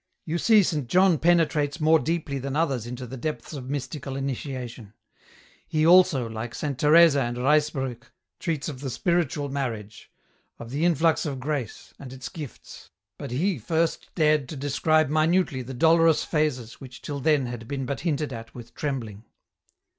" You see Saint John penetrates more deeply than others into the depths of mystical initiation. He also, like Saint Teresa and Ruysbrock, treats of the spiritual marriage, of the influx of grace, and its gifts ; but he first dared to describe minutely the dolorous phases which till then had been but hinted at with trembling.